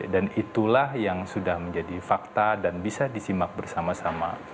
dan itulah yang sudah menjadi fakta dan bisa disimak bersama sama